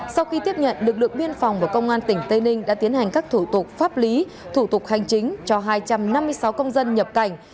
sau khi tiếp nhận lực lượng biên phòng và công an tỉnh tây ninh đã tiến hành các thủ tục pháp lý thủ tục hành chính cho hai trăm năm mươi sáu công dân nhập cảnh